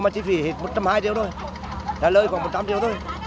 mà chỉ phải hết một trăm hai mươi triệu thôi là lợi khoảng một trăm linh triệu thôi